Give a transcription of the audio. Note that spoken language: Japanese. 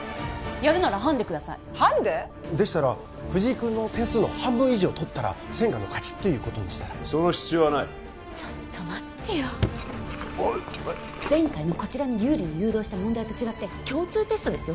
やるならハンデくださいハンデ？でしたら藤井君の点数の半分以上取ったら専科の勝ちということにしたらその必要はないちょっと待ってよおっ前回のこちらに有利に誘導した問題と違って共通テストですよ